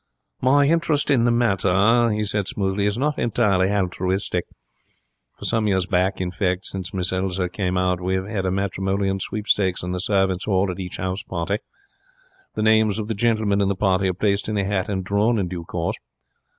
'My interest in the matter,' he said, smoothly, 'is not entirely haltruistic. For some years back, in fact, since Miss Elsa came out, we have had a matrimonial sweepstake in the servants' hall at each house party. The names of the gentlemen in the party are placed in a hat and drawn in due course.